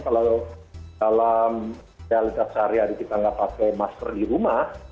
kalau dalam realitas sehari hari kita nggak pakai masker di rumah